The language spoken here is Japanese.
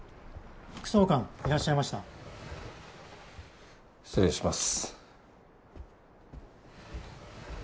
副総監いらっしゃいました失礼します